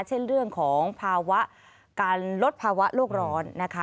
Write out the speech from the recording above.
เช่นเรื่องของภาวะการลดภาวะโลกร้อนนะคะ